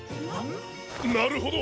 なるほど！